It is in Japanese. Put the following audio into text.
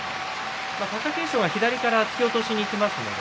貴景勝が左から突き落としにいきます。